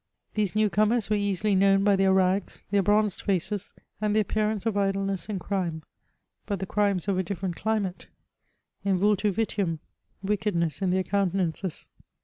These new comers were easily known by their rags, their bronzed f&ces, and the appearance of idleness and crime, but the crimes of a different climate ; in vuUu vitium^ wickedness in their countenances.